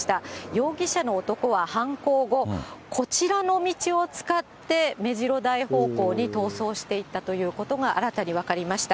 容疑者の男は犯行後、こちらの道を使って、めじろ台方向に逃走していったということが新たに分かりました。